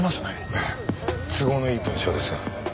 ええ都合のいい文章です。